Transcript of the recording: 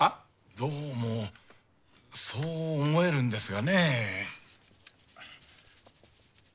どうもそう思えるんですがね。